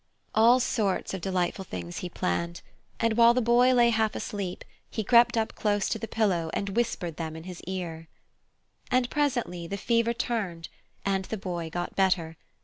All sorts of delightful things he planned, and while the Boy lay half asleep he crept up close to the pillow and whispered them in his ear. And presently the fever turned, and the Boy got better.